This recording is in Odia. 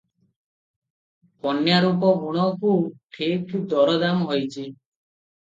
କନ୍ୟା ରୂପ ଗୁଣକୁ ଠିକ୍ ଦରଦାମ ହୋଇଛି ।